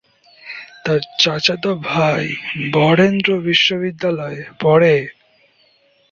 তার চাচাতো ভাই বরেন্দ্র বিশ্ববিদ্যালয়ে পড়ে।